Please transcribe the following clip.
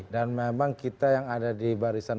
dan memang kita yang ada di barisan